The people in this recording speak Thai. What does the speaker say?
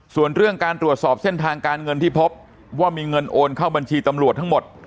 ส่วนเรื่องการตรวจสอบเส้นทางการเงินที่พบว่ามีเงินโอนเข้าบัญชีตำรวจทั้งหมด